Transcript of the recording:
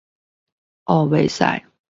喔不